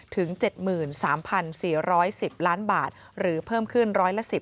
ถึง๗๓๔๑๐ล้านบาทหรือเพิ่มขึ้นร้อยละ๑๐